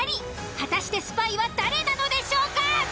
果たしてスパイは誰なのでしょうか？